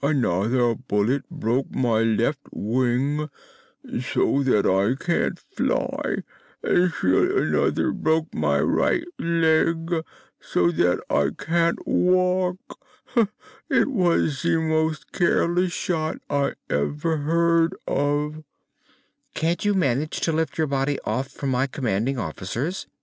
Another bullet broke my left wing, so that I can't fly; and still another broke my right leg, so that I can't walk. It was the most careless shot I ever heard of!" "Can't you manage to lift your body off from my commanding officers?"